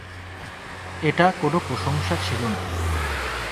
এটা কোনো প্রশংসা ছিল না।